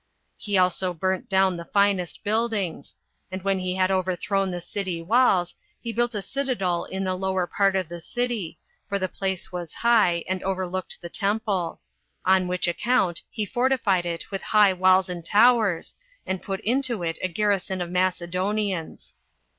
He also burnt down the finest buildings; and when he had overthrown the city walls, he built a citadel in the lower part of the city, 17 for the place was high, and overlooked the temple; on which account he fortified it with high walls and towers, and put into it a garrison of Macedonians.